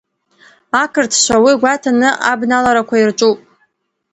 Ақырҭцәа уи гәаҭаны абналарақәа ирҿуп.